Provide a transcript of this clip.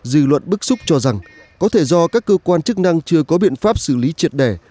dư luận bức xúc cho rằng có thể do các cơ quan chức năng chưa có biện pháp xử lý triệt đẻ